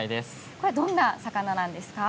これはどんな魚なんですか？